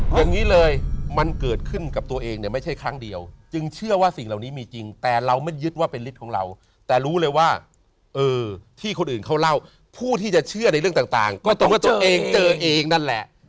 อย่างนี้เลยมันเกิดขึ้นกับตัวเองเนี่ยไม่ใช่ครั้งเดียวจึงเชื่อว่าสิ่งเหล่านี้มีจริงแต่เราไม่ยึดว่าเป็นฤทธิ์ของเราแต่รู้เลยว่าเออที่คนอื่นเขาเล่าผู้ที่จะเชื่อในเรื่องต่างก็ตรงว่าตัวเองเจอเองนั่นแหละ